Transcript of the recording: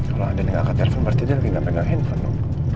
kalau anin gak angkat telepon berarti dia lagi gak pegang handphone